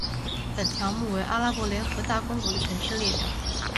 本条目为阿拉伯联合大公国的城市列表。